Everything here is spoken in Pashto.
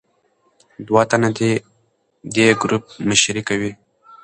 دوه تنه د دې ګروپ مشري کوي.